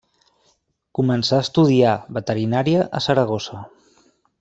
Començà a estudiar veterinària a Saragossa.